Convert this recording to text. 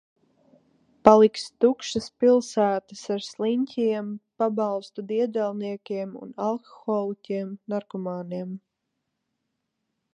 Paliks tukšas pilsētas ar sliņķiem, pabalstu diedelniekiem un alkoholiķiem, narkomāniem.